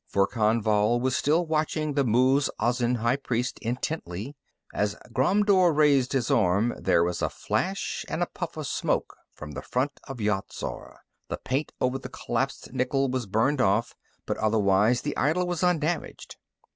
Verkan Vall was still watching the Muz Azin high priest intently; as Ghromdur raised his arm, there was a flash and a puff of smoke from the front of Yat Zar the paint over the collapsed nickel was burned off, but otherwise the idol was undamaged.